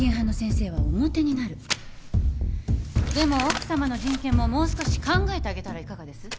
でも奥さまの人権ももう少し考えてあげたらいかがです？